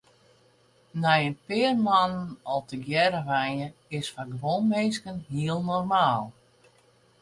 Nei in pear moannen al tegearre wenje is foar guon minsken heel normaal.